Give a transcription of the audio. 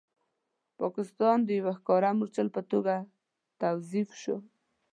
پاکستان د یو ښکاره مورچل په توګه توظیف شو.